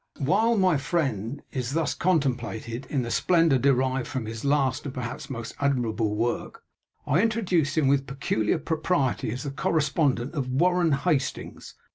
While my friend is thus contemplated in the splendour derived from his last and perhaps most admirable work, I introduce him with peculiar propriety as the correspondent of WARREN HASTINGS!